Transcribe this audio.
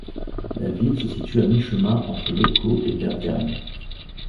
La ville se situe à mi-chemin entre Lecco et Bergame.